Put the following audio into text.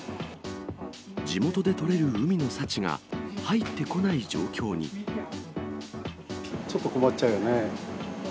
地元で取れる海の幸が入ってちょっと困っちゃうよね。